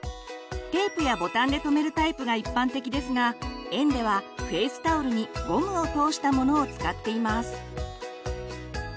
テープやボタンで留めるタイプが一般的ですが園ではフェイスタオルにゴムを通したものを使っています。